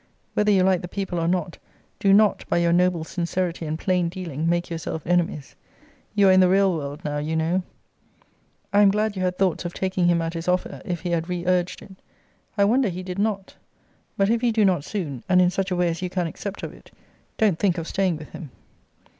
Whether you like the people or not, do not, by your noble sincerity and plain dealing, make yourself enemies. You are in the real world now you know. I am glad you had thoughts of taking him at his offer, if he had re urged it. I wonder he did not. But if he do not soon, and in such a way as you can accept of it, don't think of staying with him.